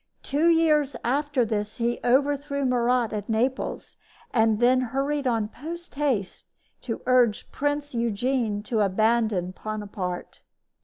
Two years after this he overthrew Murat at Naples; and then hurried on post haste to urge Prince Eugene to abandon Bonaparte.